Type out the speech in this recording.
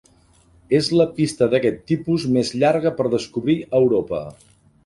És la pista d'aquest tipus més llarga per descobrir a Europa.